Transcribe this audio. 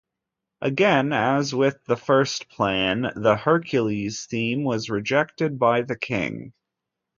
Again, as with the first plan, the Hercules theme was rejected by the king.